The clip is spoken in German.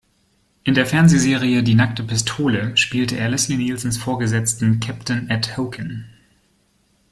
In der Fernsehserie "Die nackte Pistole" spielte er Leslie Nielsens Vorgesetzten "Captain Ed Hocken".